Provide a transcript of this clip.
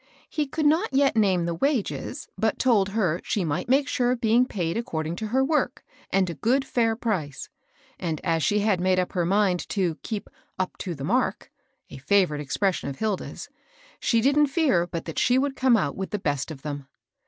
He could not yet name the wages, but told her she might make sure of being paid ac cording to her work, and a good, fidr price ; and, as she had made up her mind to keep " up to the marky^^ — a favorite expression of Hilda's, — she \ ANOTHER VISITOR. 325 didn't fear but she would come out with the best of them.